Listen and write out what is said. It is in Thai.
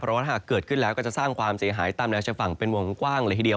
เพราะว่าถ้าหากเกิดขึ้นแล้วก็จะสร้างความเสียหายตามแนวชายฝั่งเป็นวงกว้างเลยทีเดียว